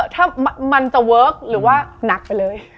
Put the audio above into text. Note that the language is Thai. ถ้ามันจะเวิร์คหรือว่าหนักไปเลย